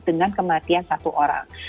dengan kematian satu orang